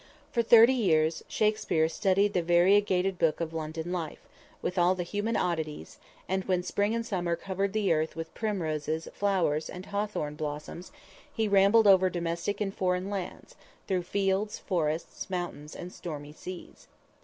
For thirty years Shakspere studied the variegated book of London life, with all the human oddities, and when spring and summer covered the earth with primroses, flowers and hawthorn blossoms, he rambled over domestic and foreign lands, through fields, forests, mountains and stormy seas.